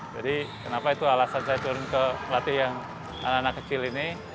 jadi kenapa itu alasan saya turun ke latih yang anak anak kecil ini